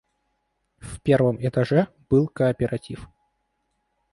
В первом этаже был кооператив.